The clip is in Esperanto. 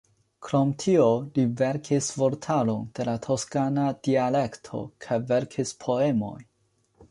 Krom tio, li verkis vortaron de la toskana dialekto kaj verkis poemojn.